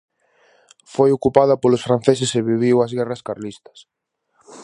Foi ocupada polos franceses e viviu as Guerras Carlistas.